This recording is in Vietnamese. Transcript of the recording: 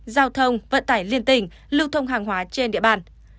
giao thông vận tải liên tỉnh lưu thông hàng hóa trên địa bàn